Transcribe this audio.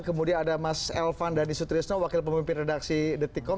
kemudian ada mas elvan dhani sutrisno wakil pemimpin redaksi detikom